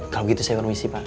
kalau gitu saya permisi pak